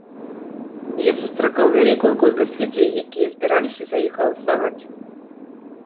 Я сустракаў вялікую колькасць людзей, якія збіраліся за іх галасаваць.